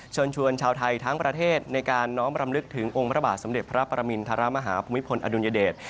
เชิญชวนชาวไทยทั้งประเทศในการน้อมรำลึกถึงองค์พระบาทสมเด็จพระปรมินทรมาฮาภูมิพลอดุลยเดช